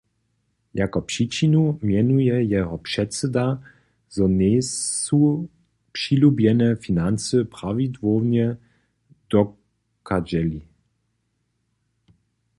Jako přičinu mjenuje jeho předsyda, zo njejsu přilubjene financy prawidłownje dochadźeli.